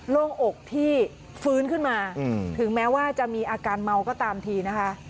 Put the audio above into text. โล่งอกที่ฟื้นขึ้นมาถึงแม้ว่าจะมีอาการเมาก็ตามทีนะคะ